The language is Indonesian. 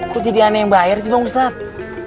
kok jadi aneh yang bayar sih bang ustadz